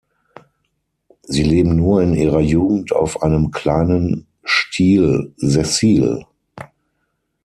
Sie leben nur in ihrer Jugend auf einem kleinen Stiel sessil.